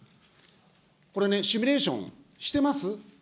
これね、シミュレーションしてます。